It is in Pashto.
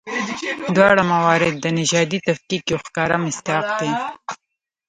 دواړه موارد د نژادي تفکیک یو ښکاره مصداق دي.